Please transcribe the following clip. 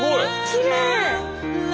きれい。